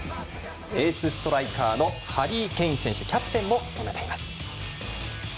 エースストライカーのハリー・ケイン選手キャプテンも務めています。